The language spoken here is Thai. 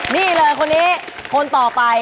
นี่เลยคนนี้คนต่อไป